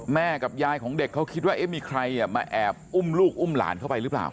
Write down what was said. แม่กับยายของเด็กเขาคิดว่ามีใครมาแอบอุ้มลูกอุ้มหลานเข้าไปหรือเปล่า